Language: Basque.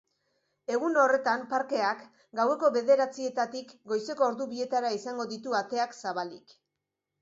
Egun horretan, parkeak gaueko bederatzietatik goizeko ordu bietara izango ditu ateak zabalik.